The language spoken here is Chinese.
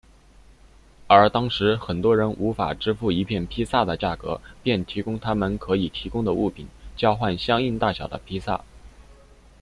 而当时很多人无法支付一片披萨的价格便提供他们可以提供的物品交换相应大小的披萨。